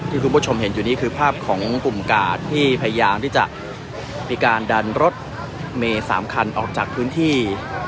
คุณผู้ชมเห็นอยู่นี้คือภาพของกลุ่มกาดที่พยายามที่จะมีการดันรถเมย์๓คันออกจากพื้นที่